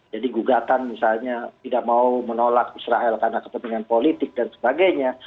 jadi gugatan misalnya tidak mau menolak israel karena ketemuan politik dan sebagainya